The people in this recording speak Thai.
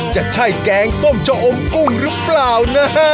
จะใช่แกงส้มชะอมกุ้งหรือเปล่านะฮะ